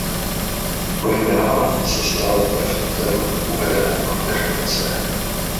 Po jmenování se stal prefektem uvedené kongregace.